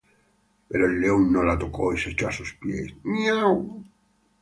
Pero el león no la tocó y se echó a sus pies.